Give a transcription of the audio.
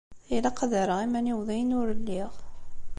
Ilaq ad rreɣ iman-iw d ayen ur lliɣ.